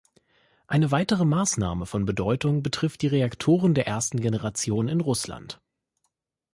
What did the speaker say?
Eine weitere Maßnahme von Bedeutung betrifft die Reaktoren der ersten Generation in Russland.